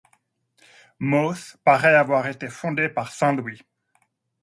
Meauce paraît avoir été fondé par Saint Louis.